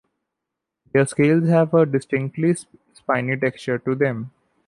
Their scales have a distinctly spiny texture to them.